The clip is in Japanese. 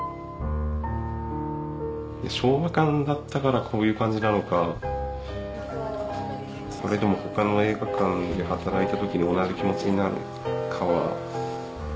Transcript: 昭和館だったからこういう感じなのかそれとも他の映画館で働いた時に同じ気持ちになるかは。